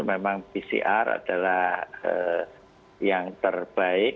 memang pcr adalah yang terbaik